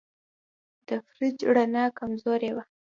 د فریج رڼا کمزورې وه.